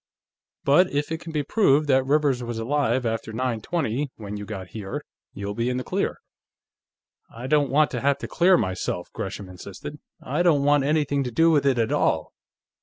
"But if it can be proved that Rivers was alive after nine twenty, when you got here, you'll be in the clear." "I don't want to have to clear myself," Gresham insisted. "I don't want anything to do with it, at all.